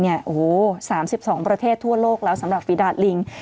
โอ้โหสามสิบสองประเทศทั่วโลกแล้วสำหรับฟิดาตลิง